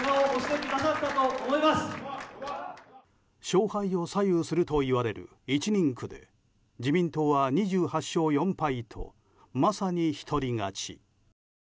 勝敗を左右するといわれる１人区で自民党は２８勝４敗とまさに独り勝ち。